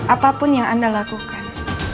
apapun yang anda lakukan